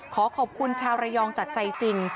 ขอขอบคุณชาวระยองจากใจจริง